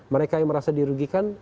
mereka yang merasa dirugikan